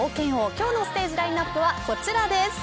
今日のステージラインアップはこちらです。